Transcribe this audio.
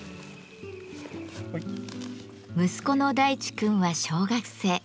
息子の大地君は小学生。